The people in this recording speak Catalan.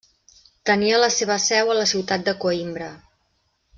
Tenia la seva seu a la ciutat de Coïmbra.